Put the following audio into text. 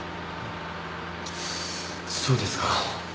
そうですか。